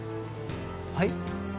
はい？